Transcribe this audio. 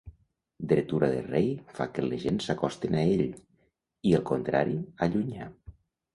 Dretura de rei fa que les gents s'acosten a ell, i el contrari, allunyar.